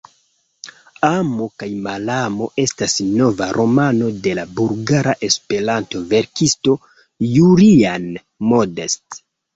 Amo kaj malamo estas nova romano de la bulgara Esperanto-verkisto Julian Modest.